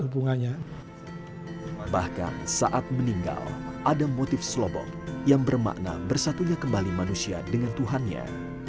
bahkan saat meninggal ada motif slobok yang bermakna bersatunya kembali manusia dengan tuhannya